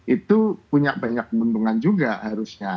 itu punya banyak keuntungan juga harusnya